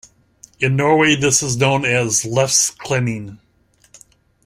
In Norway, this is known as "lefse-klenning".